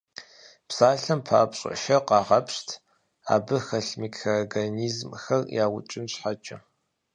Псалъэм папщӀэ, шэр къагъэпщт, абы хэлъ микроорганизмхэр яукӀын щхьэкӀэ.